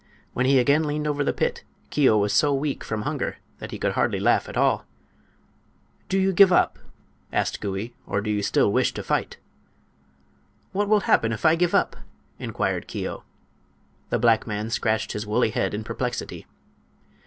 When he again leaned over the pit Keo was so weak from hunger that he could hardly laugh at all. "Do you give up?" asked Gouie, "or do you still wish to fight?" "What will happen if I give up?" inquired Keo. The black man scratched his woolly head in perplexity.